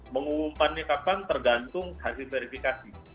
mengumumkannya kapan tergantung hasil verifikasi